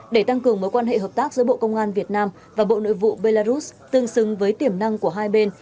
để tăng cường mối quan hệ hợp tác giữa bộ công an việt nam và bộ nội vụ belarus tương xứng với tiềm năng của hai bên